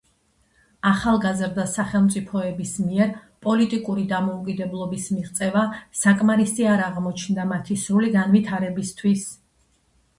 ახალგაზრდა სახელმწიფოების მიერ პოლიტიკური დამოუკიდებლობის მიღწევა საკმარისი არ აღმოჩნდა მათი სრული განვითარებისთვის.